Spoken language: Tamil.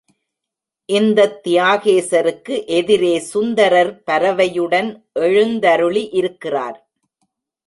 இந்தத் தியாகேசருக்கு எதிரே சுந்தரர் பரவையுடன் எழுந்தருளி இருக்கிறார்.